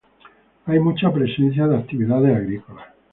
Hay mucha presencia de actividades agrícolas.